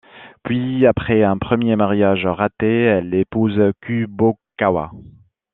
Puis, après un premier mariage raté, elle épouse Kubokawa.